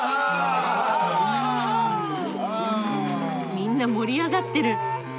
みんな盛り上がってる。